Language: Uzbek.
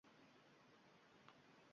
Qalb qalʼaga o‘xshaydi.